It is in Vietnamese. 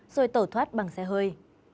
rồi tẩu thoát bằng xe hơi